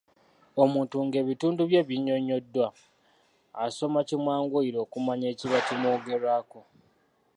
Omuntu nga ebitundu bye binnyonnyoddwa, asoma kimwanguyira okumanya ekiba kimwogerwako.